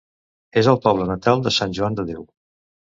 És el poble natal de Sant Joan de Déu.